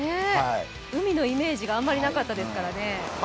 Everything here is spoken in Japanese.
海のイメージがあまりなかったですからね。